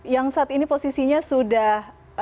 yang saat ini posisinya sudah